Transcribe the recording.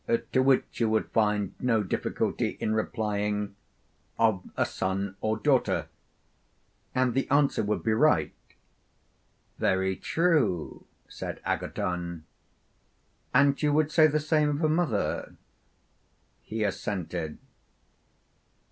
to which you would find no difficulty in replying, of a son or daughter: and the answer would be right. Very true, said Agathon. And you would say the same of a mother? He assented.